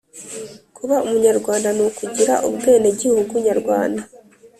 kubaumunyarwanda nukugira Ubwenegihugu Nyarwanda